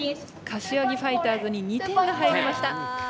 柏木ファイターズに２点が入りました。